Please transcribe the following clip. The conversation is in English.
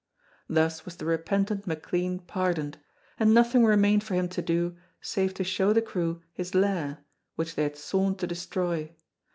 Thus was the repentant McLean pardoned, and nothing remained for him to do save to show the crew his Lair, which they had sworn to destroy.